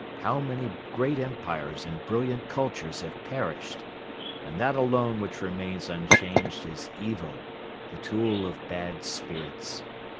How many great empires and brilliant cultures have perished! And that alone which remains unchanged is Evil, the tool of Bad Spirits.